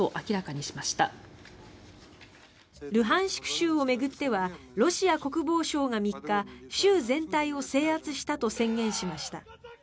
州を巡ってはロシア国防省が３日州全体を制圧したと宣言しました。